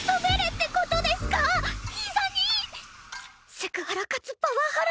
セクハラかつパワハラ！